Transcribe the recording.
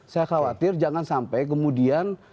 saya khawatir jangan sampai kemudian